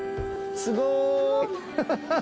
すごい。